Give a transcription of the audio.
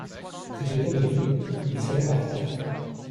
Si j'étais venu, il serait parti.